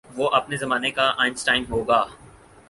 وہ اپنے زمانے کا آئن سٹائن ہو گا۔